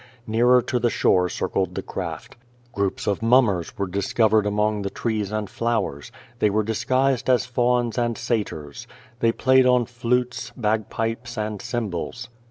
Nearer to the shore circled the craft. Groups of mummies were discovered among the trees and flowers. They were disguised as fauns and satyrs. They played on flutes, bag pipes and cymbals.